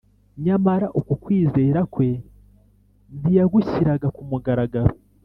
nyamara uko kwizera kwe ntiyagushyiraga ku mugaragaro